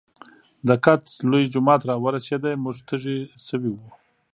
د کڅ لوے جومات راورسېدۀ مونږ تږي شوي وو